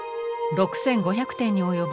６，５００点におよぶ